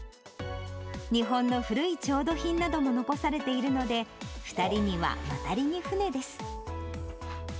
日本の古い調度品なども残されているので、２人には渡りに船です。